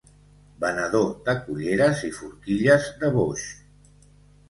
Venedor de culleres i forquilles de boix.